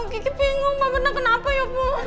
kiki bingung mbak mirna kenapa ya bu